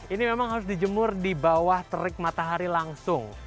ini memang harus dijemur di bawah terik matahari langsung